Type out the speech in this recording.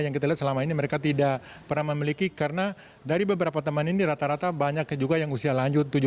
yang kita lihat selama ini mereka tidak pernah memiliki karena dari beberapa teman ini rata rata banyak juga yang usia lanjut